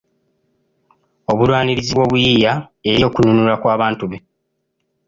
Obulwanirizi bw’omuyiiya eri okununulwa kw’abantu be